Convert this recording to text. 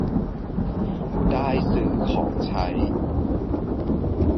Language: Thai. ได้ซื้อของใช้